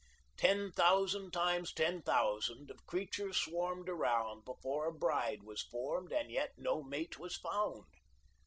Ten thousand times ten thousand Of creatures swarmed around Before a bride was formed, And yet no mate was found.